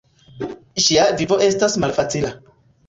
Ŝia vivo estis malfacila.